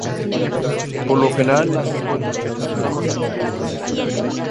Por lo general, los escoltas son más altos que los bases.